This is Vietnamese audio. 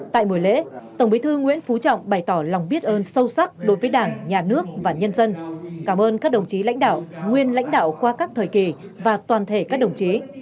tại buổi lễ tổng bí thư nguyễn phú trọng bày tỏ lòng biết ơn sâu sắc đối với đảng nhà nước và nhân dân cảm ơn các đồng chí lãnh đạo nguyên lãnh đạo qua các thời kỳ và toàn thể các đồng chí